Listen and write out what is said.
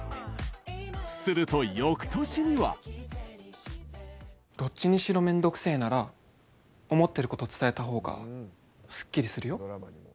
すると、よくとしには。どっちにしろ面倒くせえなら思ってること伝えたほうが、すっきりするよ。